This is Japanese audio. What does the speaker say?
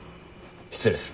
失礼する。